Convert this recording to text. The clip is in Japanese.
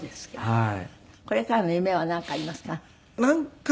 はい。